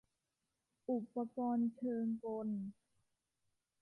อุปกรณ์เชิงกล